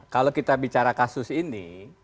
kalau kita bicara kasus ini